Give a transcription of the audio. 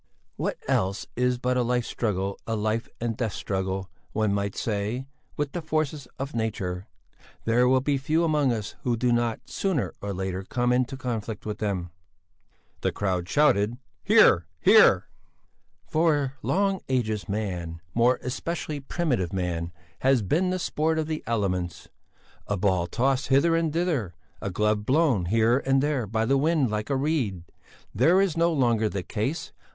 "What else is life but a struggle, a life and death struggle, one might say, with the forces of Nature! There will be few among us who do not, sooner or later, come into conflict with them." "Hear! hear!" "For long ages man, more especially primitive man, has been the sport of the elements; a ball tossed hither and thither, a glove blown here and there by the wind like a reed. This is no longer the case.